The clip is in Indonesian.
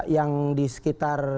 yang di sekitar